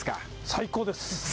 最高です！